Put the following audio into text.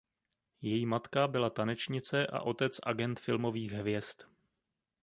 Její matka byla tanečnice a otec agent filmových hvězd.